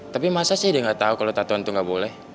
tapi masa sih dia gak tahu kalo tatoan itu gak boleh